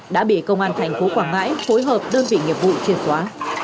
đã bị công an thành phố quảng ngãi phối hợp đơn vị nghiệp vụ triệt xóa